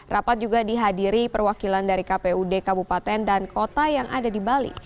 rapat juga dihadiri perwakilan dari kpud kabupaten dan kota yang ada di bali